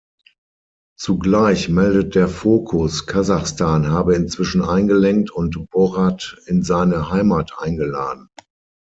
Zugleich meldet der "Focus", Kasachstan habe inzwischen eingelenkt und Borat in "seine Heimat" eingeladen.